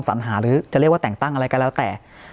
ศหรจะเรียกว่าแต่งตั้งอะไรก็แล้วแต่